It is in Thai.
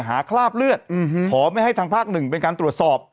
คราบเลือดขอไม่ให้ทางภาคหนึ่งเป็นการตรวจสอบ